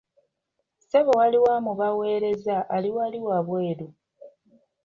Ssebo waliwo amubawerezza ali wali wabweru.